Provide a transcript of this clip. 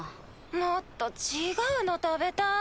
もっと違うの食べたい。